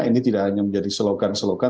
ini tidak hanya menjadi slogan slogan